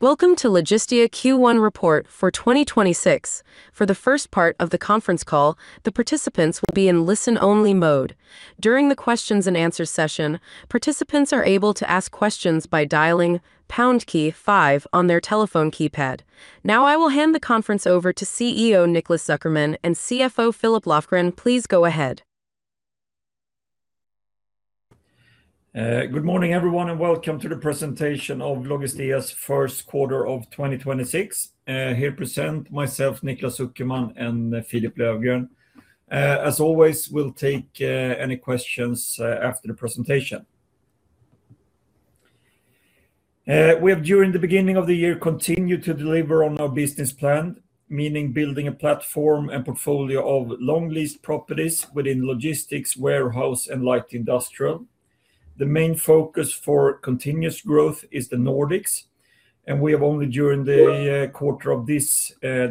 Welcome to Logistea Q1 report for 2026. For the first part of the conference call, the participants will be in listen-only mode. During the questions and answers session, participants are able to ask questions by dialing pound key five on their telephone keypad. Now, I will hand the conference over to CEO Niklas Zuckerman and CFO Philip Löfgren. Please go ahead. Good morning, everyone, and welcome to the presentation of Logistea's first quarter of 2026. Here to present myself, Niklas Zuckerman, and Philip Löfgren. As always, we'll take any questions after the presentation. We have, during the beginning of the year, continued to deliver on our business plan, meaning building a platform and portfolio of long lease properties within logistics, warehouse, and light industrial. The main focus for continuous growth is the Nordics, and we have only during the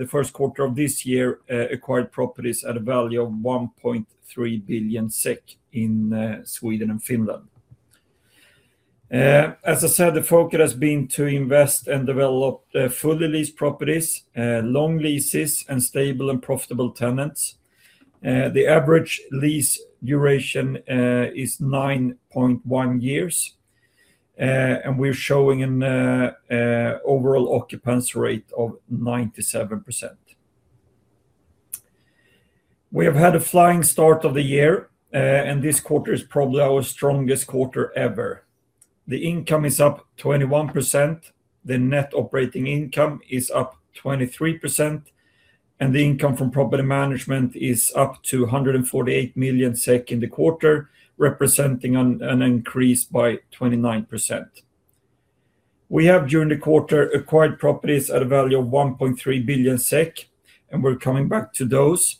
first quarter of this year acquired properties at a value of 1.3 billion SEK in Sweden and Finland. As I said, the focus has been to invest and develop fully leased properties, long leases, and stable and profitable tenants. The average lease duration is 9.1 years, and we're showing an overall occupancy rate of 97%. We have had a flying start of the year, and this quarter is probably our strongest quarter ever. The income is up 21%, the net operating income is up 23%, and the income from property management is up to 148 million SEK in the quarter, representing an increase by 29%. We have, during the quarter, acquired properties at a value of 1.3 billion SEK, and we're coming back to those.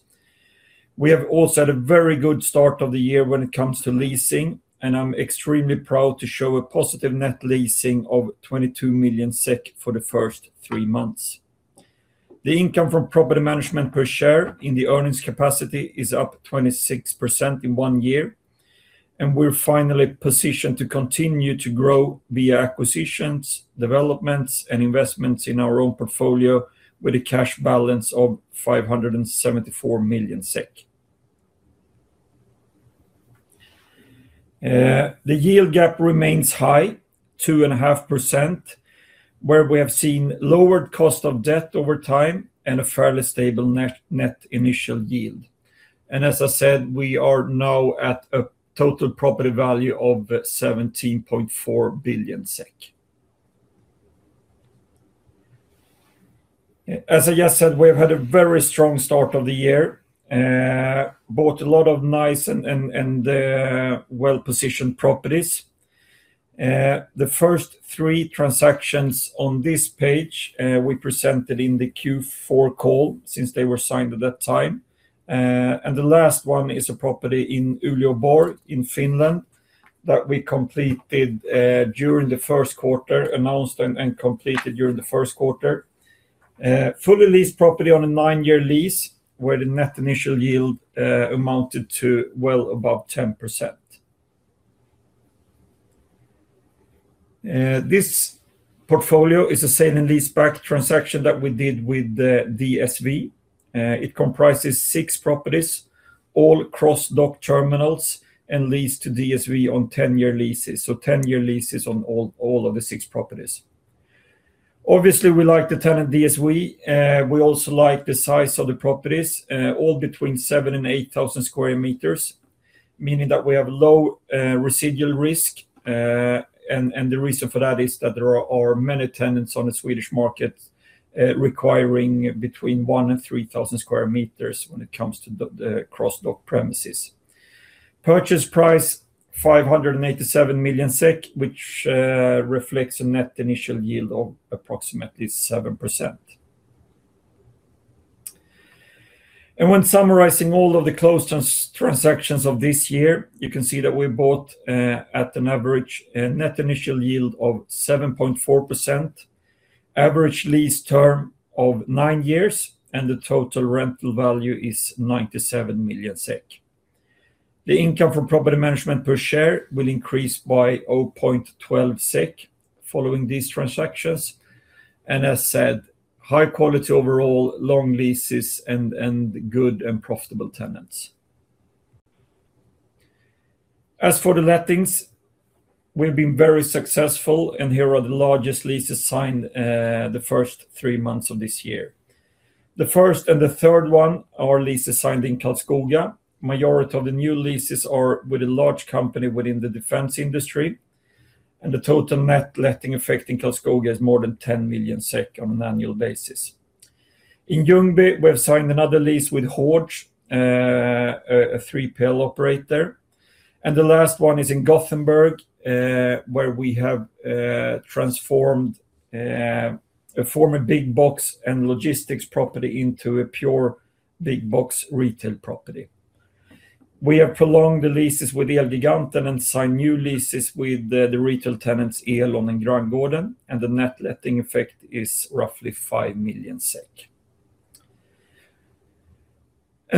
We have also had a very good start of the year when it comes to leasing, and I'm extremely proud to show a positive net letting of 22 million SEK for the first three months. The income from property management per share in the earnings capacity is up 26% in one year, and we're finally positioned to continue to grow via acquisitions, developments, and investments in our own portfolio with a cash balance of 574 million SEK. The yield gap remains high, 2.5%, where we have seen lowered cost of debt over time and a fairly stable net initial yield. As I said, we are now at a total property value of 17.4 billion SEK. As I just said, we've had a very strong start of the year. Bought a lot of nice and well-positioned properties. The first three transactions on this page, we presented in the Q4 call since they were signed at that time. The last one is a property in Uleåborg in Finland that we completed during the first quarter, announced and completed during the first quarter. Fully leased property on a nine-year lease, where the net initial yield amounted to well above 10%. This portfolio is a sale and leaseback transaction that we did with DSV. It comprises six properties, all cross-dock terminals and leased to DSV on 10-year leases. Ten-year leases on all of the six properties. Obviously, we like the tenant DSV. We also like the size of the properties, all between 7,000 sq m-8,000 sq m, meaning that we have low residual risk. The reason for that is that there are many tenants on the Swedish market, requiring between 1 sq m and 3,000 sq m when it comes to the cross-dock premises. Purchase price, 587 million SEK, which reflects a net initial yield of approximately 7%. When summarizing all of the closed transactions of this year, you can see that we bought at an average net initial yield of 7.4%, average lease term of nine years, and the total rental value is 97 million SEK. The income from property management per share will increase by 0.12 SEK following these transactions. As said, high quality overall, long leases, and good and profitable tenants. As for the lettings, we've been very successful, and here are the largest leases signed, the first three months of this year. The first and the third one are leases signed in Karlskoga. Majority of the new leases are with a large company within the defense industry, and the total net letting effect in Karlskoga is more than 10 million SEK on an annual basis. In Ljungby, we have signed another lease with Hogia, a 3PL operator. The last one is in Gothenburg, where we have transformed a former big box and logistics property into a pure big box retail property. We have prolonged the leases with Elgiganten and signed new leases with the retail tenants Elon and Granngården, and the net letting effect is roughly 5 million SEK.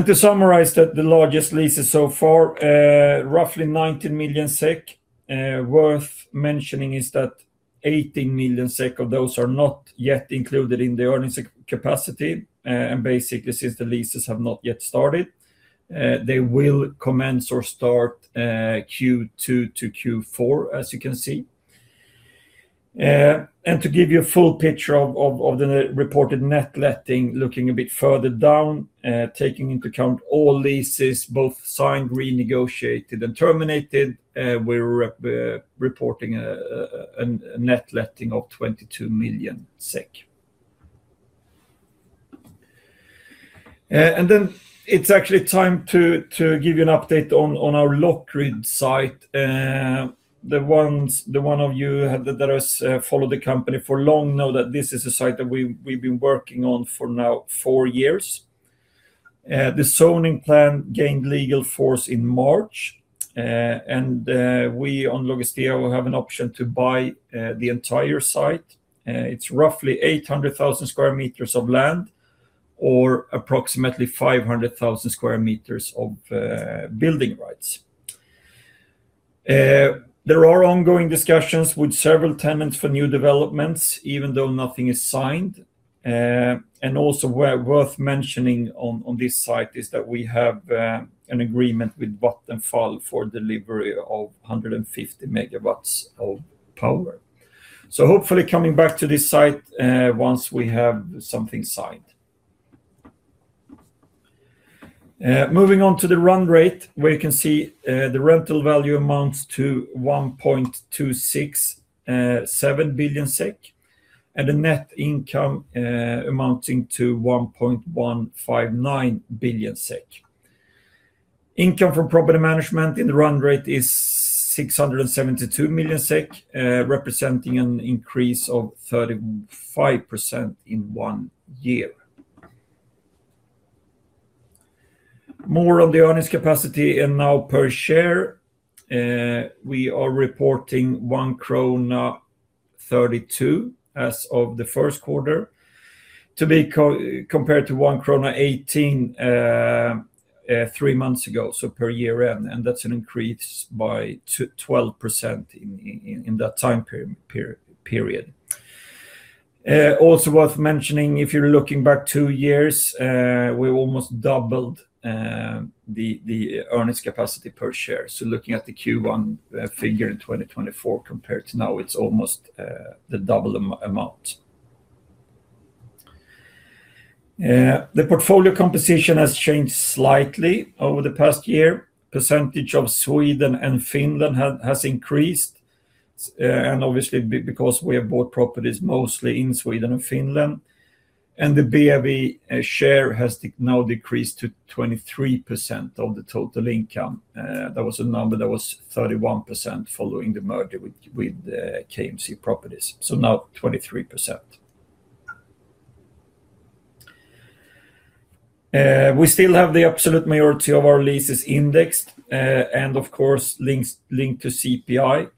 To summarize that the largest leases so far roughly 19 million SEK. Worth mentioning is that 18 million SEK of those are not yet included in the earnings capacity, and basically since the leases have not yet started. They will commence or start at Q2-Q4, as you can see. To give you a full picture of the reported net letting, looking a bit further down, taking into account all leases, both signed, renegotiated, and terminated, we're reporting a net letting of 22 million SEK. Then it's actually time to give you an update on our Lockryd site. Those of you that have followed the company for long know that this is a site that we've been working on for now four years. The zoning plan gained legal force in March. We on Logistea will have an option to buy the entire site. It's roughly 800,000 sq m of land or approximately 500,000 sq m of building rights. There are ongoing discussions with several tenants for new developments, even though nothing is signed. Worth mentioning on this site is that we have an agreement with Vattenfall for delivery of 150 MW of power. Hopefully coming back to this site once we have something signed. Moving on to the run rate, where you can see the rental value amounts to 1.267 billion SEK, and the net income amounting to 1.159 billion SEK. Income from property management in the run rate is 672 million SEK, representing an increase of 35% in one year. More on the earnings capacity and now per share. We are reporting 1.32 krona as of the first quarter, to be compared to 1.18 krona three months ago, year-end. That's an increase by 12% in that time period. Also worth mentioning, if you're looking back two years, we almost doubled the earnings capacity per share. Looking at the Q1 figure in 2024 compared to now, it's almost the double amount. The portfolio composition has changed slightly over the past year. Percentage of Sweden and Finland has increased, and obviously because we have bought properties mostly in Sweden and Finland. The BIV share has decreased to 23% of the total income. That was a number that was 31% following the merger with KMC Properties. So now 23%. We still have the absolute majority of our leases indexed, and of course, linked to CPI.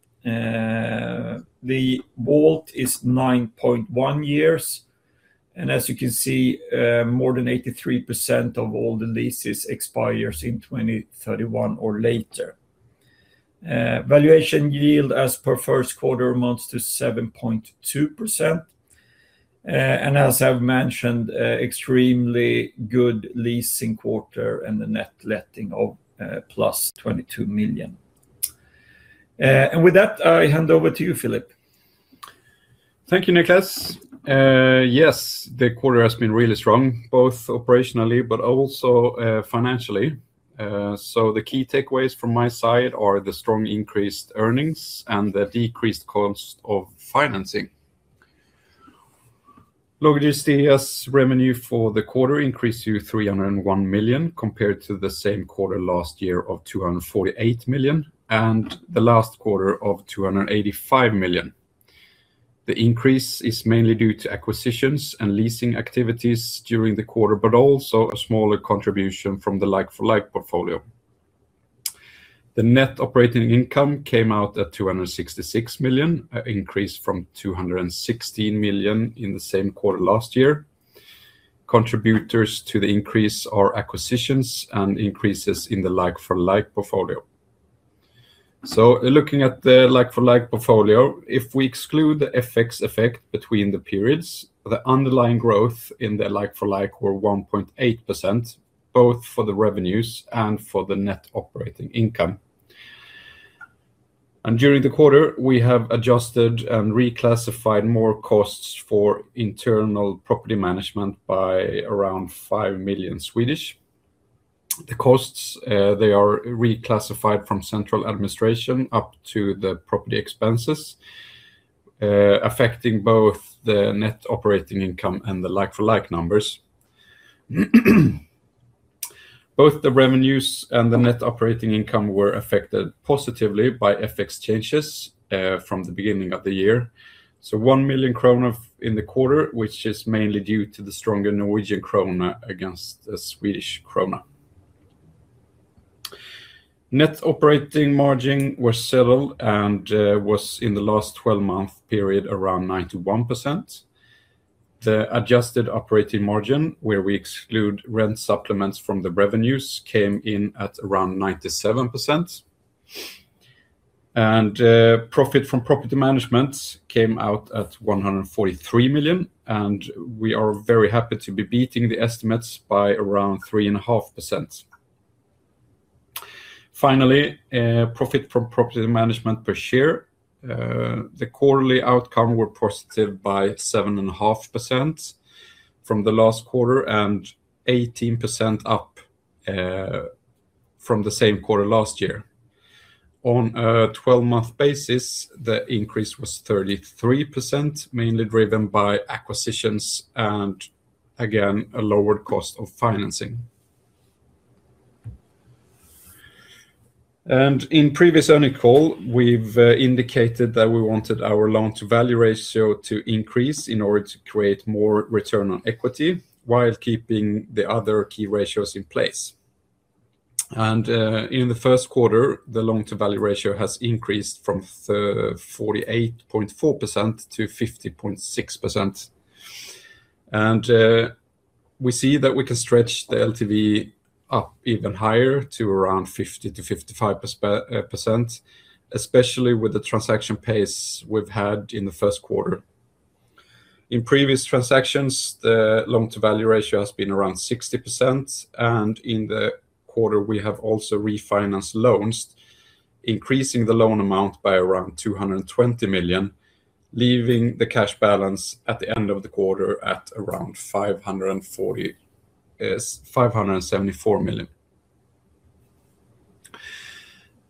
The WAULT is 9.1 years. As you can see, more than 83% of all the leases expires in 2031 or later. Valuation yield as per first quarter amounts to 7.2%. And as I've mentioned, extremely good leasing quarter and the net letting of +22 million. And with that, I hand over to you, Philip. Thank you, Niklas. Yes, the quarter has been really strong, both operationally but also, financially. The key takeaways from my side are the strong increased earnings and the decreased cost of financing. Logistea's revenue for the quarter increased to 301 million, compared to the same quarter last year of 248 million, and the last quarter of 285 million. The increase is mainly due to acquisitions and leasing activities during the quarter, but also a smaller contribution from the like-for-like portfolio. The net operating income came out at 266 million, an increase from 216 million in the same quarter last year. Contributors to the increase are acquisitions and increases in the like-for-like portfolio. Looking at the like-for-like portfolio, if we exclude the FX effect between the periods, the underlying growth in the like-for-like were 1.8%, both for the revenues and for the net operating income. During the quarter, we have adjusted and reclassified more costs for internal property management by around 5 million. The costs, they are reclassified from central administration up to the property expenses, affecting both the net operating income and the like-for-like numbers. Both the revenues and the net operating income were affected positively by FX changes from the beginning of the year. 1 million kronor in the quarter, which is mainly due to the stronger Norwegian kroner against the Swedish krona. Net operating margin was stable and was in the last twelve-month period around 91%. The adjusted operating margin, where we exclude rent supplements from the revenues, came in at around 97%. Profit from property management came out at 143 million, and we are very happy to be beating the estimates by around 3.5%. Finally, profit from property management per share, the quarterly outcome were positive by 7.5% from the last quarter and 18% up from the same quarter last year. On a 12-month basis, the increase was 33%, mainly driven by acquisitions and again, a lower cost of financing. In previous earnings call, we've indicated that we wanted our loan-to-value ratio to increase in order to create more return on equity while keeping the other key ratios in place. In the first quarter, the loan-to-value ratio has increased from 48.4% to 50.6%. We see that we can stretch the LTV up even higher to around 50%-55%, especially with the transaction pace we've had in the first quarter. In previous transactions, the loan-to-value ratio has been around 60%, and in the quarter we have also refinanced loans, increasing the loan amount by around 220 million, leaving the cash balance at the end of the quarter at around SEK 574 million.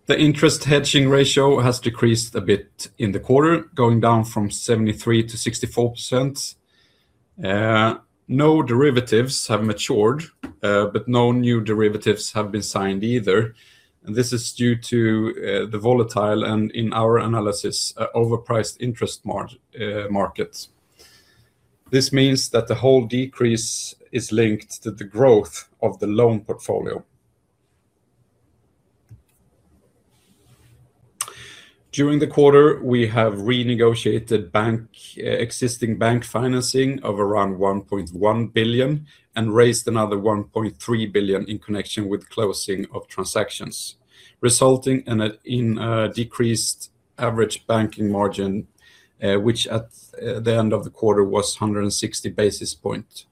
The interest rate hedge ratio has decreased a bit in the quarter, going down from 73% to 64%. No derivatives have matured, but no new derivatives have been signed either. This is due to the volatile and in our analysis overpriced interest markets. This means that the whole decrease is linked to the growth of the loan portfolio. During the quarter, we have renegotiated existing bank financing of around 1.1 billion and raised another 1.3 billion in connection with closing of transactions, resulting in a decreased average banking margin, which at the end of the quarter was 160 basis points.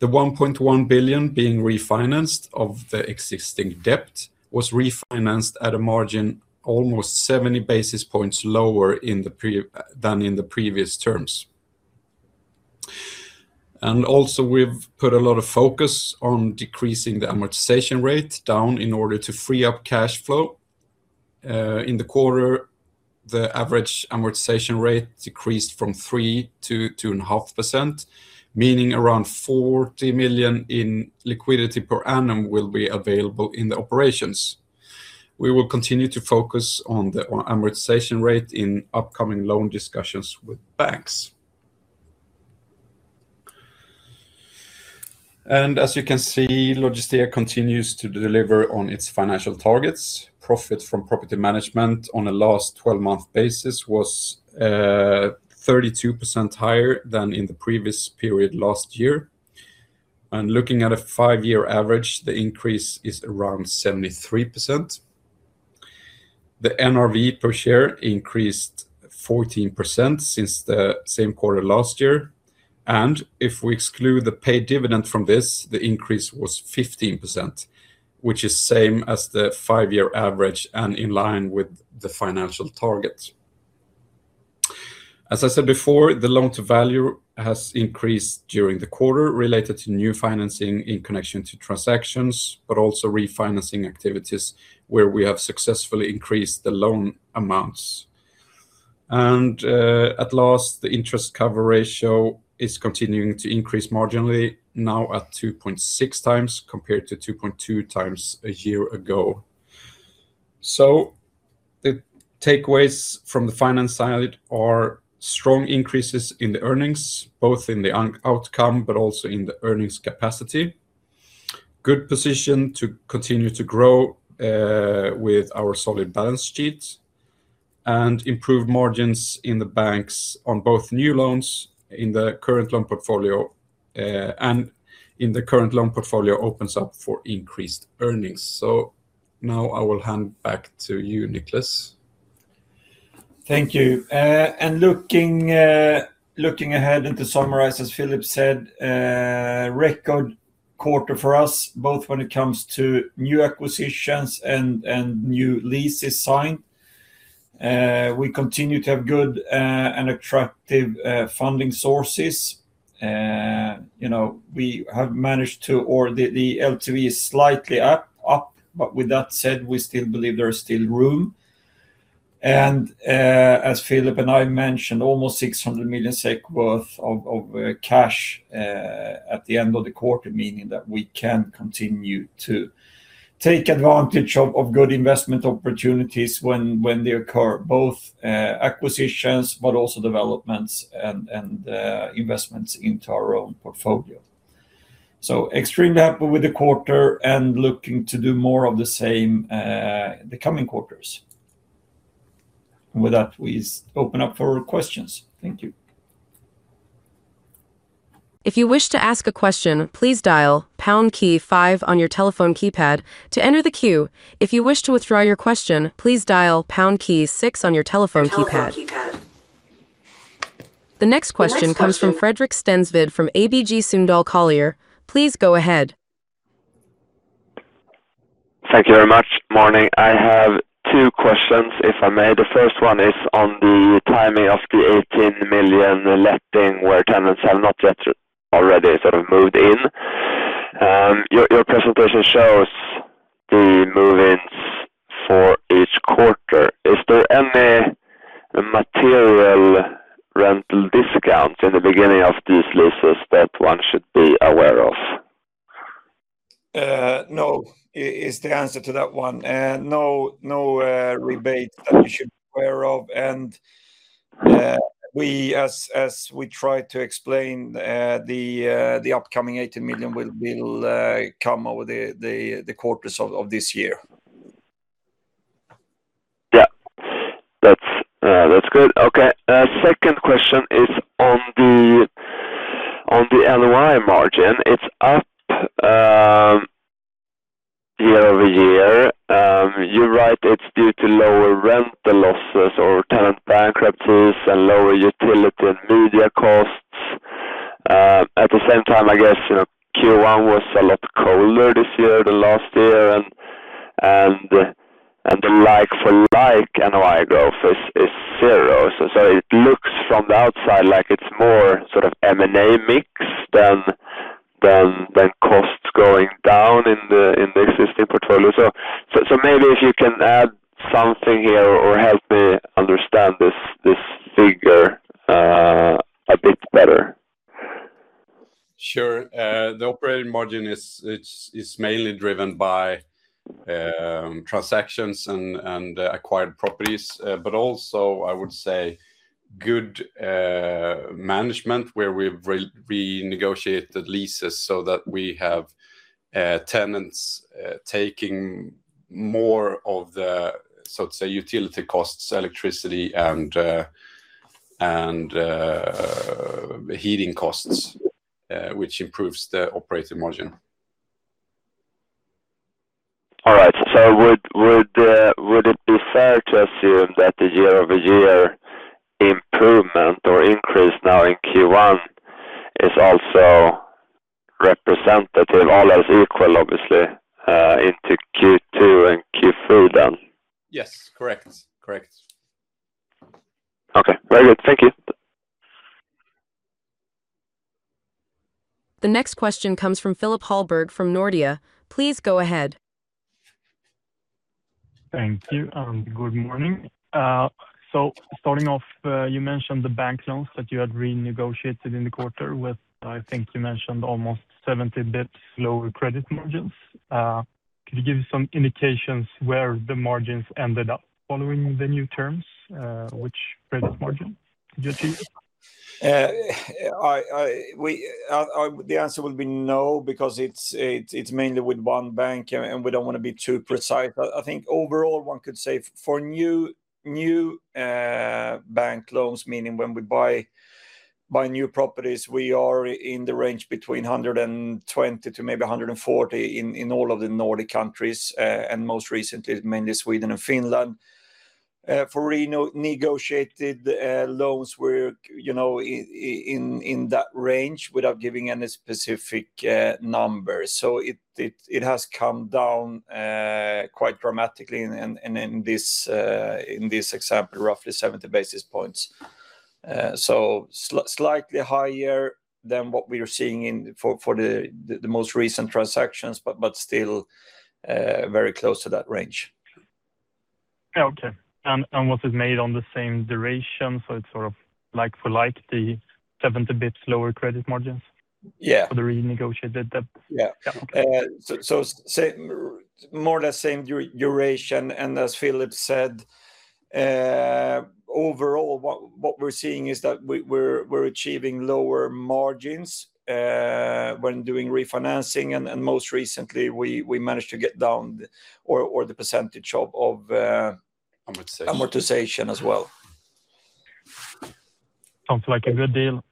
The 1.1 billion being refinanced of the existing debt was refinanced at a margin almost 70 basis points lower than in the previous terms. Also we've put a lot of focus on decreasing the amortization rate down in order to free up cash flow. In the quarter, the average amortization rate decreased from 3% to 2.5%, meaning around 40 million in liquidity per annum will be available in the operations. We will continue to focus on the amortization rate in upcoming loan discussions with banks. Logistea continues to deliver on its financial targets. Profit from property management on a last 12-month basis was 32% higher than in the previous period last year. Looking at a five-year average, the increase is around 73%. The NRV per share increased 14% since the same quarter last year, and if we exclude the paid dividend from this, the increase was 15%, which is same as the five-year average and in line with the financial target. As I said before, the loan-to-value has increased during the quarter related to new financing in connection to transactions, but also refinancing activities where we have successfully increased the loan amounts. At least, the interest coverage ratio is continuing to increase marginally now at 2.6x compared to 2.2x a year ago. The takeaways from the finance side are strong increases in the earnings, both in the outcome but also in the earnings capacity. Good position to continue to grow with our solid balance sheet and improve margins with the banks on both new loans and in the current loan portfolio opens up for increased earnings. Now I will hand back to you, Niklas. Thank you. Looking ahead and to summarize, as Philip said, record quarter for us both when it comes to new acquisitions and new leases signed. We continue to have good and attractive funding sources. You know, we have managed to or the LTV is slightly up, but with that said, we still believe there is still room. As Philip and I mentioned, almost 600 million SEK worth of cash at the end of the quarter, meaning that we can continue to take advantage of good investment opportunities when they occur, both acquisitions but also developments and investments into our own portfolio. Extremely happy with the quarter and looking to do more of the same, the coming quarters. With that, we open up for questions. Thank you. If you wish to ask a question, please dial pound key five on your telephone keypad to enter the queue. If you wish to withdraw your question, please dial pound key six on your telephone keypad. The next question comes from Fredrik Stensved from ABG Sundal Collier. Please go ahead. Thank you very much. Morning. I have two questions, if I may. The first one is on the timing of the 18 million letting where tenants have not yet already sort of moved in. Your presentation shows the move-ins for each quarter. Is there any material rental discount in the beginning of these leases that one should be aware of? No is the answer to that one. No rebate that you should be aware of. As we try to explain, the upcoming 18 million will come over the quarters of this year. Yeah. That's good. Okay. Second question is on the NOI margin. It's up year-over-year. You write it's due to lower rental losses or tenant bankruptcies and lower utility and media costs. At the same time, I guess, you know, Q1 was a lot colder this year than last year and the like-for-like NOI growth is zero. Maybe if you can add something here or help me understand this figure a bit better. Sure. The operating margin is, it's mainly driven by transactions and acquired properties. But also, I would say good management where we've renegotiated leases so that we have tenants taking more of the, so to say, utility costs, electricity and heating costs, which improves the operating margin. All right. Would it be fair to assume that the year-over-year improvement or increase now in Q1 is also representative, all else equal obviously, into Q2 and Q3 then? Yes. Correct. Correct. Okay. Very good. Thank you. The next question comes from Philip Hallberg from Nordea. Please go ahead. Thank you, and good morning. Starting off, you mentioned the bank loans that you had renegotiated in the quarter with, I think you mentioned almost 70 basis points lower credit margins. Could you give some indications where the margins ended up following the new terms, which credit margin did you choose? The answer will be no because it's mainly with one bank and we don't want to be too precise. I think overall one could say for new bank loans, meaning when we buy new properties, we are in the range between 120 to maybe 140 in all of the Nordic countries, and most recently mainly Sweden and Finland. For renegotiated loans, we're in that range without giving any specific numbers. It has come down quite dramatically in this example, roughly 70 basis points. Slightly higher than what we are seeing for the most recent transactions but still very close to that range. Okay. Was it made on the same duration? It's sort of like for like the 70 basis points lower credit margins. Yeah For the renegotiated debt? Yeah. Yeah. Okay. More or less same duration. As Philip said, overall what we're seeing is that we're achieving lower margins when doing refinancing. Most recently we managed to get down or the percentage of- Amortization Amortization as well. Sounds like a good deal.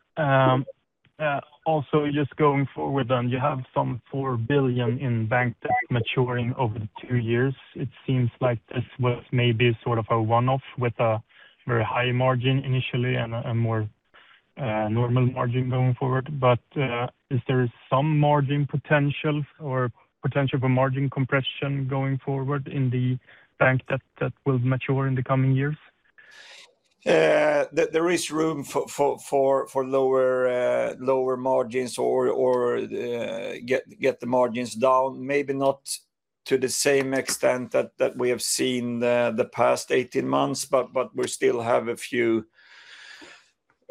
Also just going forward then, you have some 4 billion in bank debt maturing over the two years. It seems like this was maybe sort of a one-off with a very high margin initially and a more normal margin going forward. Is there some margin potential or potential for margin compression going forward in the bank debt that will mature in the coming years? There is room for lower margins or get the margins down. Maybe not to the same extent that we have seen the past 18 months, but we still have a few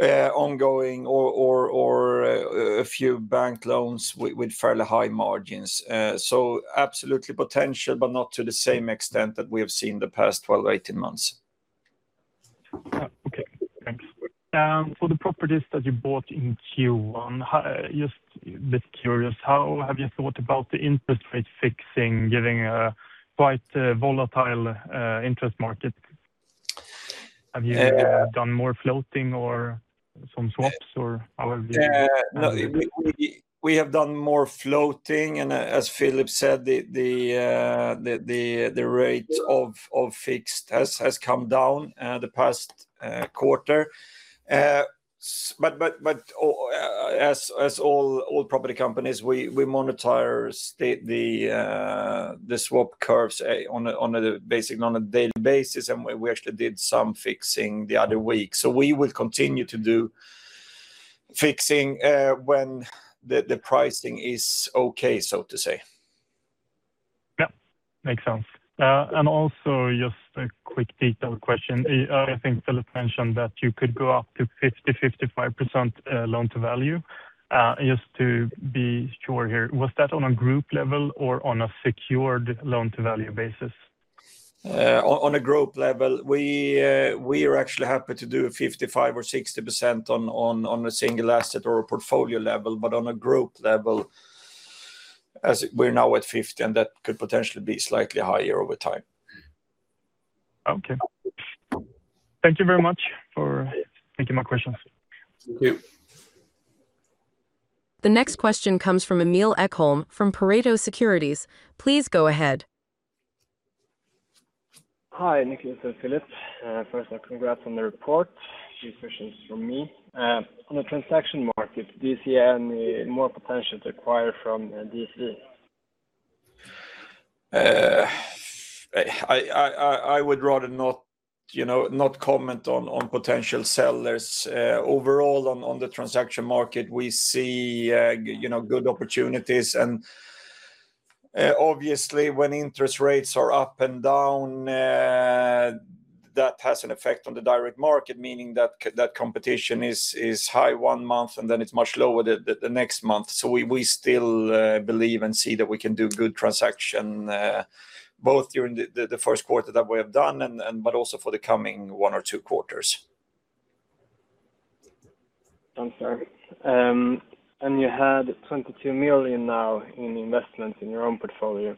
ongoing or a few bank loans with fairly high margins. Absolutely potential, but not to the same extent that we have seen the past 12 months-18 months. Yeah. Okay. Thanks. For the properties that you bought in Q1, just a bit curious, how have you thought about the interest rate fixing given a quite volatile interest market? Uh- Have you done more floating or some swaps or how have you? No, we have done more floating. As Philip said, the rate of fixed has come down the past quarter. As all property companies, we monitor the swap curves on a daily basis, and we actually did some fixing the other week. We will continue to do fixing when the pricing is okay, so to say. Yeah. Makes sense. Also just a quick detail question. Yeah. I think Philip mentioned that you could go up to 50%-55% loan-to-value. Just to be sure here, was that on a group level or on a secured loan-to-value basis? On a group level. We are actually happy to do 55% or 60% on a single asset or a portfolio level, on a group level, as we're now at 50% and that could potentially be slightly higher over time. Okay. Thank you very much for taking my questions. Thank you. The next question comes from Emil Ekholm from Pareto Securities. Please go ahead. Hi, Niklas and Philip. First of all, congrats on the report. Few questions from me. On the transaction market, do you see any more potential to acquire from DSV? I would rather not, you know, not comment on potential sellers. Overall on the transaction market, we see, you know, good opportunities and obviously when interest rates are up and down, that has an effect on the direct market, meaning that competition is high one month and then it's much lower the next month. We still believe and see that we can do good transaction both during the first quarter that we have done and but also for the coming one or two quarters. Sounds fair. You had 22 million now in investments in your own portfolio.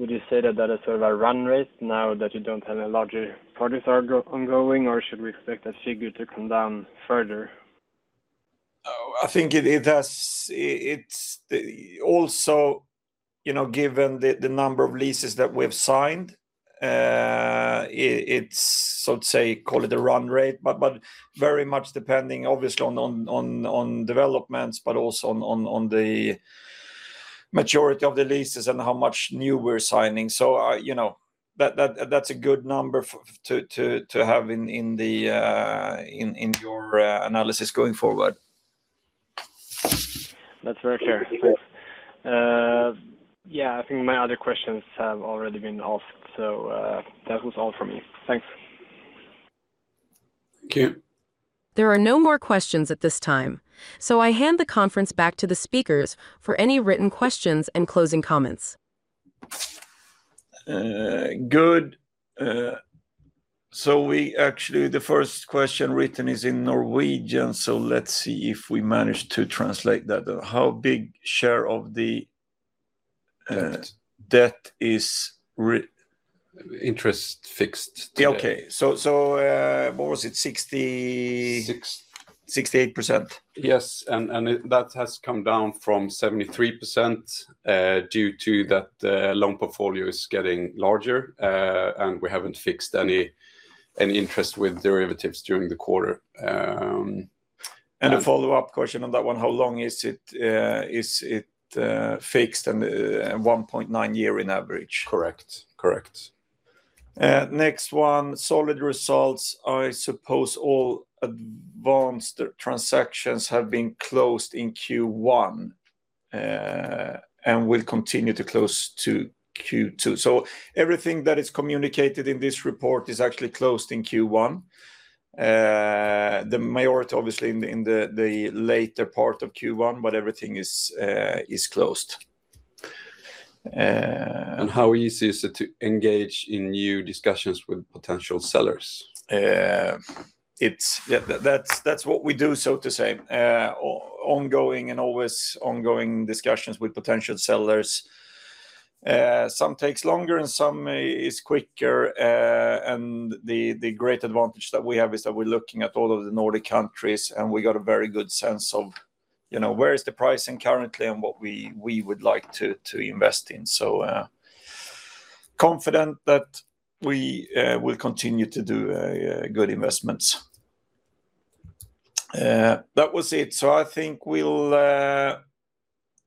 Would you say that is sort of a run rate now that you don't have any larger projects are ongoing, or should we expect that figure to come down further? Oh, I think it has. It's, that's also, you know, given the number of leases that we've signed. It's, so to say, call it a run rate, but very much depending obviously on developments but also on the majority of the leases and how much new we're signing. You know, that's a good number to have in your analysis going forward. That's very clear. Thanks. Yeah, I think my other questions have already been asked, so, that was all from me. Thanks. Thank you. There are no more questions at this time, so I hand the conference back to the speakers for any written questions and closing comments. Good. We actually, the first question written is in Norwegian, so let's see if we manage to translate that. How big share of the- Debt Debt is re- Interest fixed today. Yeah. Okay. What was it? Sixty- Six. 68%. That has come down from 73%, due to the loan portfolio getting larger, and we haven't fixed any interest with derivatives during the quarter. A follow-up question on that one, how long is it? Is it fixed and 1.9 years on average? Correct. Correct. Next one. Solid results. I suppose all announced transactions have been closed in Q1 and will continue to close to Q2. Everything that is communicated in this report is actually closed in Q1. The majority obviously in the later part of Q1, but everything is closed. How easy is it to engage in new discussions with potential sellers? Yeah, that's what we do, so to say. Ongoing and always ongoing discussions with potential sellers. Some takes longer and some is quicker. The great advantage that we have is that we're looking at all of the Nordic countries, and we got a very good sense of, you know, where is the pricing currently and what we would like to invest in. Confident that we will continue to do good investments. That was it. I think we'll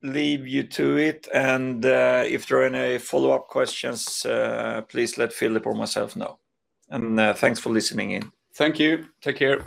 leave you to it and if there are any follow-up questions, please let Philip or myself know. Thanks for listening in. Thank you. Take care.